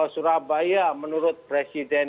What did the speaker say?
surabaya menurut presiden